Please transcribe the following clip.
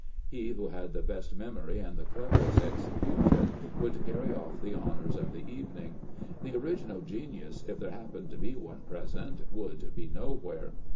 He who had the best memory and the cleverest execution would carry off the honors of the evening. The original genius, if there happened to be one present, would be nowhere.